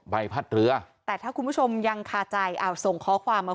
ใบพัดเรือแต่ถ้าคุณผู้ชมยังคาใจเอาส่งข้อความมา